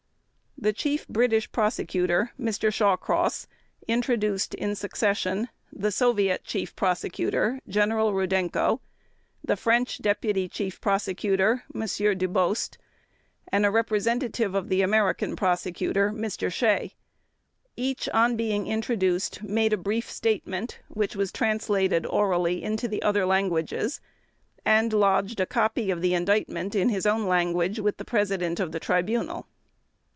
The Chief British Prosecutor, Mr. Shawcross, introduced in succession the Soviet Chief Prosecutor, General Rudenko; the French Deputy Chief Prosecutor, M. Dubost; and a representative of the American Prosecutor, Mr. Shea. Each on being introduced made a brief statement, which was translated orally into the other languages, and lodged a copy of the Indictment, in his own language, with the President of the Tribunal.